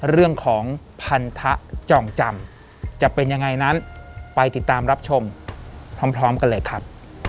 เรื่องของพันธะจ่องจำจะเป็นยังไงนั้นไปติดตามรับชมพร้อมกันเลยครับ